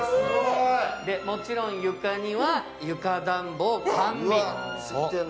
もちろん床には床暖房完備。